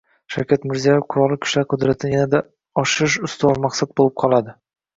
Shavkat Mirziyoyev: Qurolli Kuchlar qudratini yanada oshirish ustuvor maqsad bo‘lib qoladi